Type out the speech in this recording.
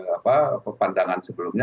apa pepandangan sebelumnya